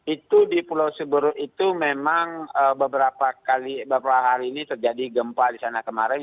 itu di pulau siburut itu memang beberapa hari ini terjadi gempa di sana kemarin